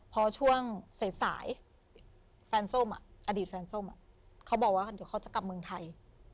พอช่วงสายแฟนส้มอดีตแฟนส้มเขาบอกว่าเดี๋ยวเขาจะกลับเมืองไทย